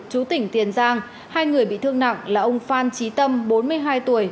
chú tỉnh tiền giang hai người bị thương nặng là ông phan trí tâm bốn mươi hai tuổi